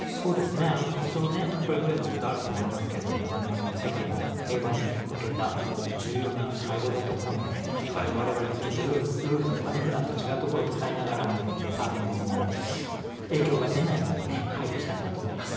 多少不便なことはあると思いますけど世界の平和に向けた重要な会合だと思うのでわれわれもルートとか、普段と違う所を使いながらも影響が出ないように配慮したいなと思います。